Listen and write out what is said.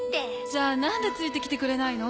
じゃあ何でついて来てくれないの？